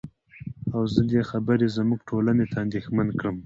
او زه دې خبرې زمونږ ټولنې ته اندېښمن کړم.